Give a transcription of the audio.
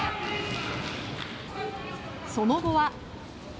その後は。